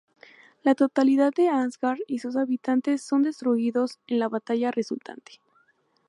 La totalidad de Asgard y sus habitantes son destruidos en la batalla resultante.